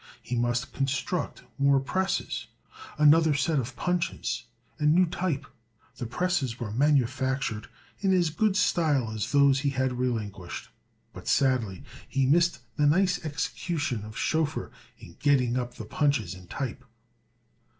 He must construct more presses, another set of punches, and new type. The presses were manufactured in as good style as those he had relinquished; but sadly he missed the nice execution of Schoeffer in getting up the punches and type.